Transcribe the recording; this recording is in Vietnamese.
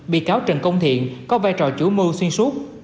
bị cáo trần công thiện có vai trò chủ mưu xuyên suốt